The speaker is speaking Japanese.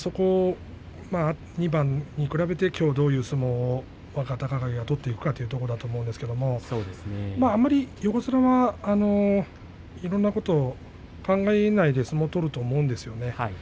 ２番、見比べてきょうはどういう相撲、若隆景が取っていくかというところですけれどもあまり横綱はいろいろなことを考えないで相撲を取ると思うんですよね。